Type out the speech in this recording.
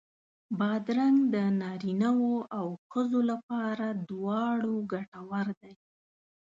بادرنګ د نارینو او ښځو لپاره دواړو ګټور دی.